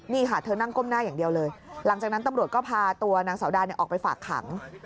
นี่ค่ะเธอนั่งก้มหน้าอย่างเดียวเลยหลังจากนั้นตำรวจก็พาตัวนางสาวดาออกไปฝากขัง